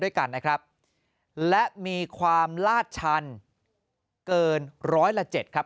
ด้วยกันนะครับและความลาดชันเกินและ๗ครับ